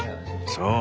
そう。